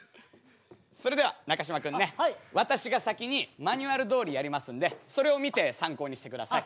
それでは中嶋君ね私が先にマニュアルどおりやりますのでそれを見て参考にしてください。